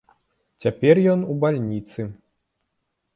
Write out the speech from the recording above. Цяпер ён у бальніцы.